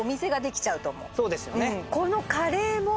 そうですよね。